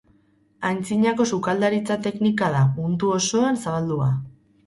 Aintzinako sukaldaritza teknika da, mundu osoan zabaldua.